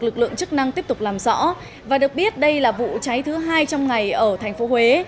lực lượng chức năng tiếp tục làm rõ và được biết đây là vụ cháy thứ hai trong ngày ở thành phố huế